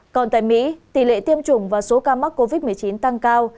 còn tại mỹ tỷ lệ tiêm chủng và số ca mắc covid một mươi chín tăng cao